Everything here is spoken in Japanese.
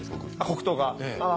黒糖が？